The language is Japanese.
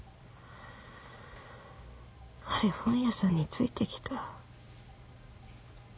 彼本屋さんについてきた。